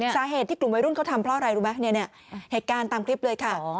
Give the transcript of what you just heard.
สาเหตุที่กลุ่มวัยรุ่นเขาทำเพราะอะไรรู้ไหมเนี่ยเหตุการณ์ตามคลิปเลยค่ะ